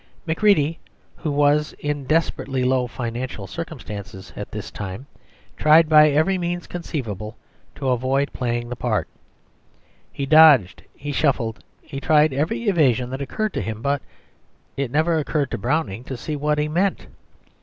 Macready, who was in desperately low financial circumstances at this time, tried by every means conceivable to avoid playing the part; he dodged, he shuffled, he tried every evasion that occurred to him, but it never occurred to Browning to see what he meant.